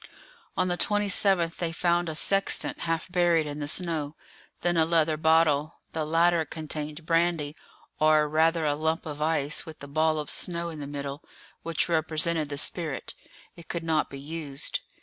On the 27th they found a sextant half buried in the snow, then a leather bottle; the latter contained brandy, or rather a lump of ice, with a ball of snow in the middle, which represented the spirit; it could not be used.